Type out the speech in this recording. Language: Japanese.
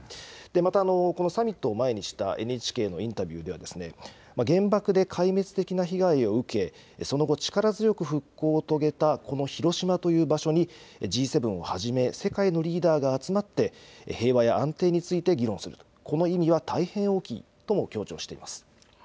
またこのサミットを前にしたＮＨＫのインタビューでは、原爆で壊滅的な被害を受け、その後、力強く復興を遂げたこの広島という場所にＧ７をはじめ、世界のリーダーが集まって平和や安定について議論すると、この意味は大変大きいとも強調しています。